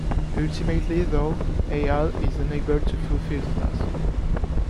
Ultimately, though, Eyal is unable to fulfill the task.